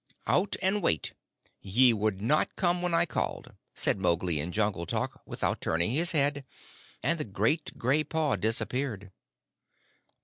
"Out and wait! Ye would not come when I called," said Mowgli in jungle talk, without turning his head, and the great gray paw disappeared.